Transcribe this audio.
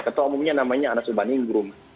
ketua umumnya namanya anas iban ingrum